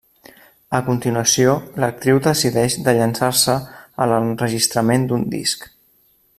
A continuació, l'actriu decideix de llançar-se a l'enregistrament d'un disc.